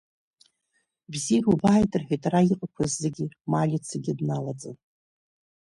Бзиара убааит, — рҳәеит ара иҟақәаз зегьы Малицагьы дналаҵаны.